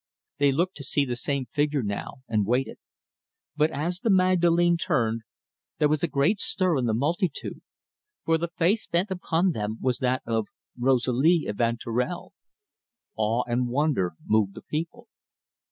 They looked to see the same figure now, and waited. But as the Magdalene turned, there was a great stir in the multitude, for the face bent upon them was that of Rosalie Evanturel. Awe and wonder moved the people.